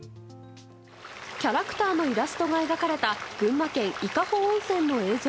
キャラクターのイラストが描かれた群馬県伊香保温泉の映像。